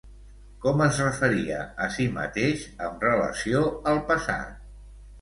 Com es referia a si mateix amb relació al passat?